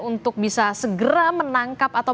untuk bisa segera menangkap atau